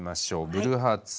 ブルーハーツ